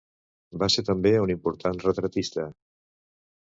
Va ser també un important retratista.